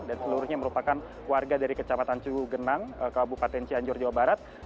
dan seluruhnya merupakan warga dari kecamatan cugugenang kabupaten cianjur jawa barat